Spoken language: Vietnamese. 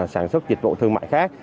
sản xuất dịch vụ thương mại khác